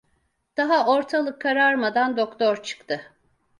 Daha ortalık kararmadan doktor çıktı.